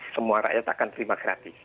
semua rakyat akan terima gratis